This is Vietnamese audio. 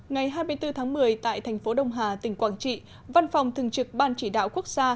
ngày hai mươi bốn tháng một mươi tại thành phố đông hà tỉnh quảng trị văn phòng thường trực ban chỉ đạo quốc gia